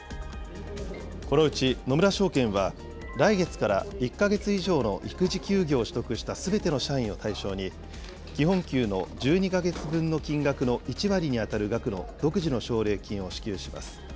このうち野村証券は、来月から１か月以上の育児休業を取得したすべて社員を対象に、基本給の１２か月分の金額の１割に当たる額の独自の奨励金を支給します。